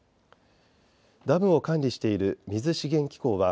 ダムを管理している水資源機構は